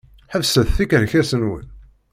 Ḥebset tikerkas-nwen!